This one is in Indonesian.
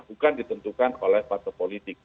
bukan ditentukan oleh partai politik